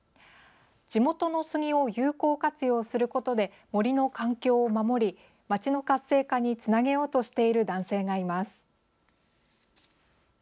地元の杉を有効活用することで森の環境を守り、町の活性化につなげようとしている男性がいます。